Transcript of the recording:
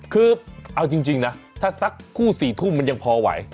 คือเอาจริงนะถ้าสักคู่๔ทุ่มมันยังพอไหว